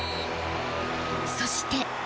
そして。